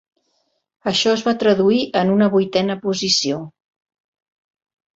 Això es va traduir en una vuitena posició.